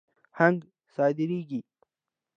هنګ صادریږي.